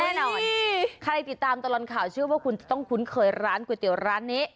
แน่นอนใครติดตามตลอดข่าวเชื่อว่าคุณจะต้องคุ้นเคยร้านก๋วยเตี๋ยวร้านนี้